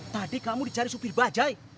tadi kamu dicari supir bajai